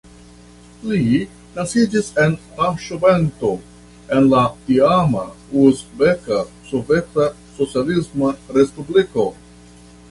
Li naskiĝis en Taŝkento, en la tiama Uzbeka Soveta Socialisma Respubliko.